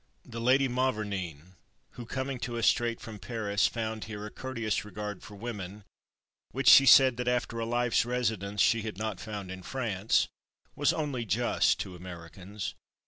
The Lady Mavourneen, who, coming to us straight from Paris, found here a courteous regard for women, which she said that after a life's residence she had not found in France, was only just to Americans.